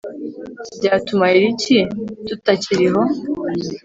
byatumarira iki tutakiriho